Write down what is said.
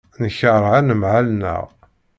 Nekṛeh anemhal-nneɣ.